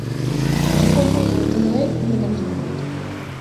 O seu corpo era todo el un mecanismo roto.